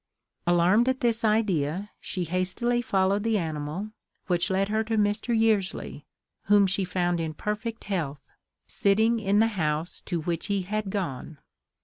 Alarmed at this idea, she hastily followed the animal, which led her to Mr. Yearsley, whom she found in perfect health, sitting in the house to which he had gone.